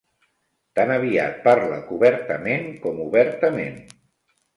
Tan aviat parla cobertament com obertament.